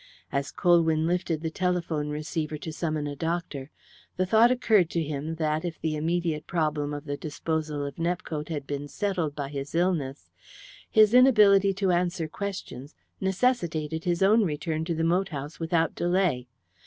As Colwyn lifted the telephone receiver to summon a doctor, the thought occurred to him that, if the immediate problem of the disposal of Nepcote had been settled by his illness, his inability to answer questions necessitated his own return to the moat house without delay.